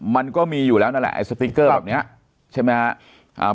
มันก็มีอยู่แล้วนั่นแหละแบบเนี้ยใช่ไหมฮะอ่า